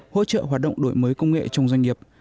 hỗ trợ hoạt động đổi mới công nghệ trong doanh nghiệp